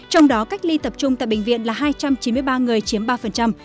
trong đó cách ly tập trung tại bệnh viện là hai trăm chín mươi ba người chiếm ba